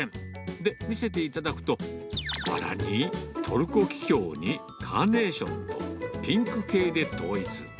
で、見せていただくと、バラに、トルコキキョウに、カーネーションと、ピンク系で統一。